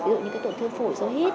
ví dụ như cái tổn thương phổi dấu hiếp